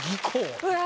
うわ。